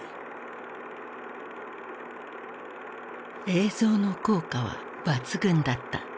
映像の効果は抜群だった。